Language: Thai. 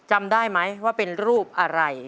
จำได้ไหมว่าเป็นรูปอะไร